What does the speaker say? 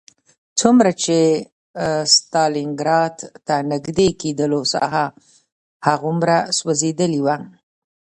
څومره چې ستالینګراډ ته نږدې کېدلو ساحه هغومره سوځېدلې وه